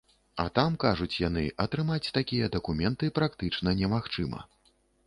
А там, кажуць яны, атрымаць такія дакументы практычна немагчыма.